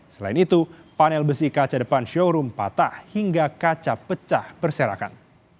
selain itu panel besi kaca depan showroom patah hingga kaca pecah berserakan